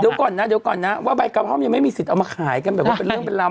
เดี๋ยวก่อนนะเดี๋ยวก่อนนะว่าใบกระท่อมยังไม่มีสิทธิ์เอามาขายกันแบบว่าเป็นเรื่องเป็นราว